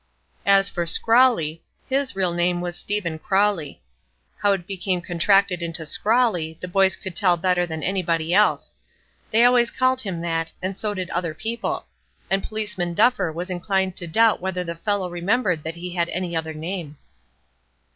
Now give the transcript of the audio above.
As for "Scrawley," his real name was Stephen Crowley. How it became contracted into "Scrawley" the boys could tell better than anybody else. They always called him that, and so did other people; and Policeman Duffer was inclined to doubt whether the fellow remembered that he had any other name.